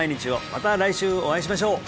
また来週お会いしましょう